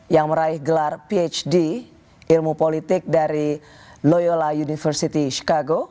yang meraih gelar phd ilmu politik dari loyola university chicago